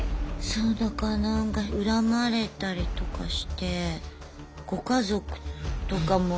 そうだからなんか恨まれたりとかしてご家族とかも。